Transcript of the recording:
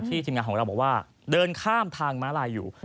บอกว่าเดินข้ามทางมาลัยอยู่